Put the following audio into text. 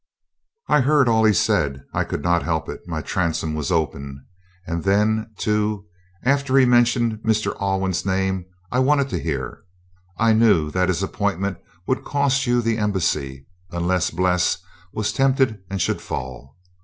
"I heard all he said. I could not help it; my transom was open. And then, too, after he mentioned Mr. Alwyn's name, I wanted to hear. I knew that his appointment would cost you the embassy unless Bles was tempted and should fall.